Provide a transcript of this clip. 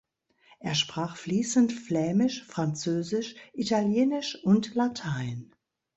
Er sprach fließend Flämisch, Französisch, Italienisch und Latein.